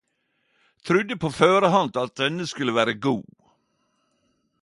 Trudde på førehand at denne skulle vere god.